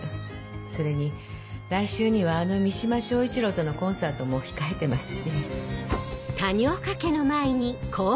それに来週にはあの三島彰一郎とのコンサートも控えてますし。